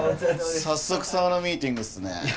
早速サウナミーティングっすね